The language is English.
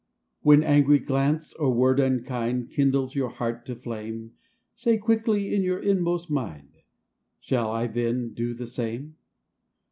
When angry glance or word unkind .Kindles your heart to flame Say quickly in your inmost mind, " Shall I then do the same?"